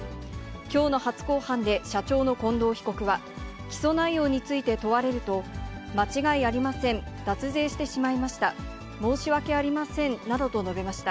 きょうの初公判で社長の近藤被告は、起訴内容について問われると、間違いありません、脱税してしまいました。